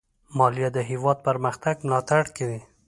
مالیه د هېواد پرمختګ ملاتړ کوي.